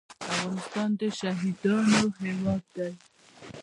افغانستان د شهیدانو هیواد دی